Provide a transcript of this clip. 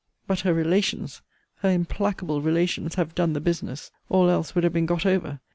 But her relations, her implacable relations, have done the business. All else would have been got over.